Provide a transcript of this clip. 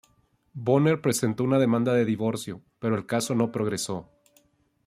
Bonner presentó una demanda de divorcio, pero el caso no progresó.